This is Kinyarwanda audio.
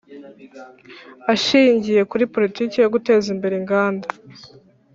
Ashingiye kuri Politiki yo guteza imbere inganda